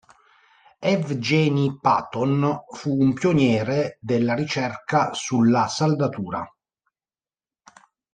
Evgenij Paton fu un pioniere della ricerca sulla saldatura.